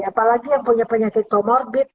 apalagi yang punya penyakit comorbid